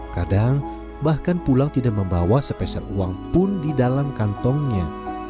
kadang bahkan pulang tidak membawa sepeser uang pun di dalam kantongnya